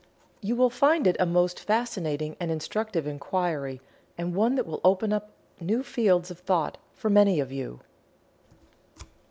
You will find it a most fascinating and instructive inquiry and one that will open up new fields of thought for many of you.